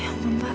ya ampun pak